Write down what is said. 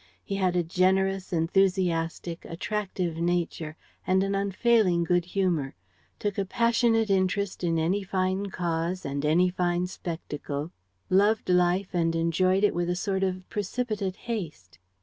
He had a generous, enthusiastic, attractive nature and an unfailing good humor, took a passionate interest in any fine cause and any fine spectacle, loved life and enjoyed it with a sort of precipitate haste.